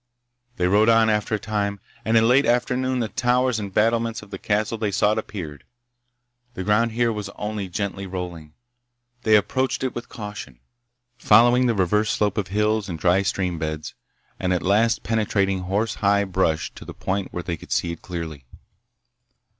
They rode on after a time, and in late afternoon the towers and battlements of the castle they sought appeared. The ground here was only gently rolling. They approached it with caution, following the reverse slope of hills, and dry stream beds, and at last penetrating horse high brush to the point where they could see it clearly.